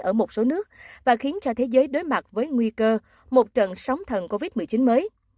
ở một số nước và khiến cho thế giới đối mặt với nguy cơ một trận sóng thần covid một mươi chín mới